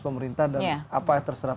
pemerintah dan apa yang terserap